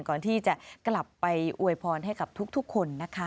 ก่อนที่จะกลับไปอวยพรให้กับทุกคนนะคะ